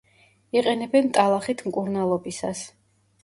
იყენებენ ტალახით მკურნალობისას.